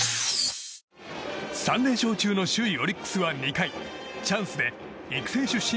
３連勝中の首位オリックスは２回チャンスで育成出身